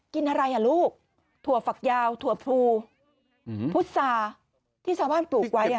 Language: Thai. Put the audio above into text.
กินอะไรอ่ะลูกถั่วฝักยาวถั่วพลูพุษาที่ชาวบ้านปลูกไว้